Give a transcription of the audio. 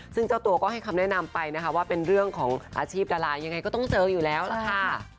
ซึ่งเจ้าตัวก็ให้คำแนะนำไปนะคะว่าเป็นเรื่องของอาชีพดารายังไงก็ต้องเจออยู่แล้วล่ะค่ะ